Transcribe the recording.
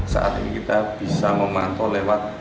saat ini kita bisa memantau lewat